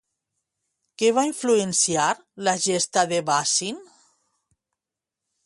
Què va influenciar la gesta de Basin?